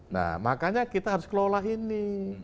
nah makanya kita harus kelola ini